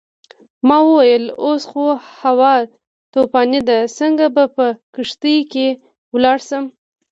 ما وویل اوس خو هوا طوفاني ده څنګه به په کښتۍ کې لاړ شم.